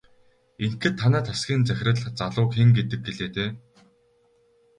Ингэхэд танай тасгийн захирал залууг хэн гэдэг гэлээ дээ?